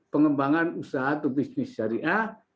pengembangan usaha atau bisnis syariah